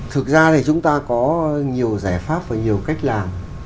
thực ra thì chúng ta có nhiều giải pháp và nhiều cách làm